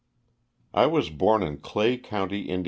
T WAS born in Clay county, Ind.